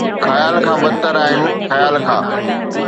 خيال کان بدتر آهن خيال کان